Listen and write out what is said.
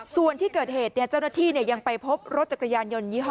ส่วนที่เกิดเหตุเจ้าหน้าที่ยังไปพบรถจักรยานยนต์ยี่ห้อ